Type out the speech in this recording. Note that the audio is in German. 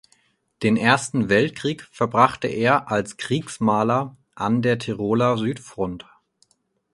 Den Ersten Weltkrieg verbrachte er als Kriegsmaler an der Tiroler Südfront.